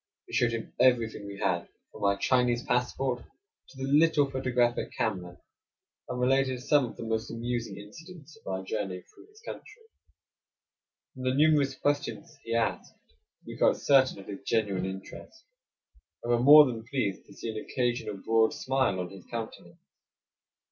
We showed him everything we had, from our Chinese passport to the little photographic camera, and related some of the most amusing incidents of our journey through his country. From the numerous questions he asked we felt certain of his genuine interest, and were more than pleased to see an occasional broad smile on his countenance.